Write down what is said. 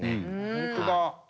ほんとだ。